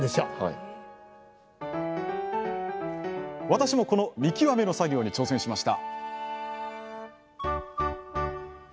私もこの見極めの作業に挑戦しました！